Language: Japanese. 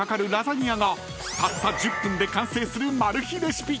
［たった１０分で完成するマル秘レシピ］